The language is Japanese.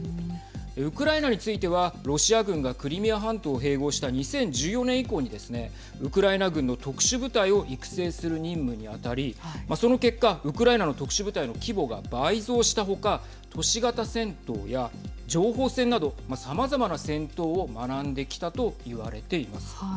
ウクライナについてはロシア軍がクリミア半島を併合した２０１４年以降にですねウクライナ軍の特殊部隊を育成する任務に当たりその結果、ウクライナの特殊部隊の規模が倍増したほか都市型戦闘や情報戦などさまざまな戦闘を学んできたと言われています。